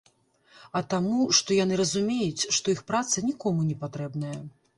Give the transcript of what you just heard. А таму, што яны разумеюць, што іх праца нікому не патрэбная.